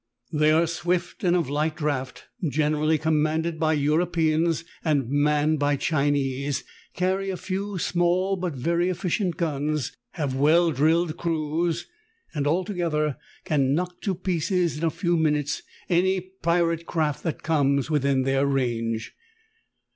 They are swift and of light draught, generally commanded by Europeans and manned by Chinese, carry a few small but very efficient guns, have well drilled crews, and, alto gether, can knock to pieces in a few minutes any pirate craft that comes in their range.